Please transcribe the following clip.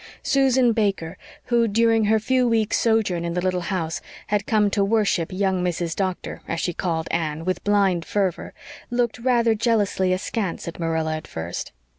Susan Baker, who, during her few weeks' sojourn in the little house, had come to worship "young Mrs. Doctor," as she called Anne, with blind fervor, looked rather jealously askance at Marilla at first.